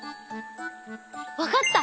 わかった！